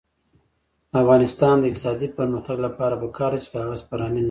د افغانستان د اقتصادي پرمختګ لپاره پکار ده چې کاغذ پراني نه وي.